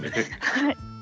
はい。